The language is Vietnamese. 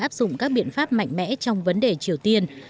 áp dụng các biện pháp mạnh mẽ trong vấn đề triều tiên